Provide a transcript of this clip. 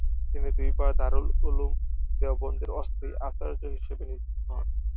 তিনি দুইবার দারুল উলূম দেওবন্দের অস্থায়ী আচার্য হিসাবে নিযুক্ত হন।